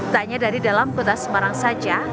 tak hanya dari dalam kota semarang saja